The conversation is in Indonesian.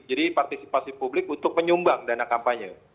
jadi partisipasi publik untuk menyumbang dana kampanye